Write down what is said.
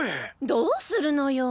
どするのよ？